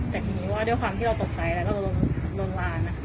แต่ทีนี้ว่าด้วยความที่เราตกใจแล้วก็ลงลาน